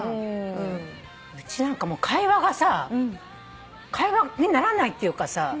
うちなんかもう会話がさ会話にならないっていうかさ。